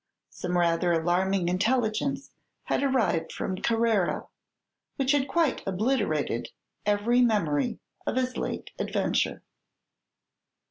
Some rather alarming intelligence had arrived from Carrara, which had quite obliterated every memory of his late adventure.